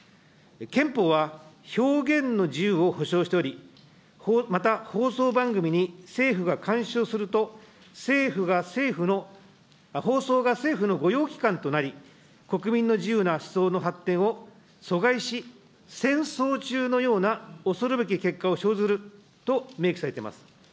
憲法は表現の自由を保障しており、また放送番組に政府が干渉をすると、放送が政府の御用機関となり、国民の自由な思想の発展を阻害し、戦争中のような恐るべき結果を生ずると明記されています。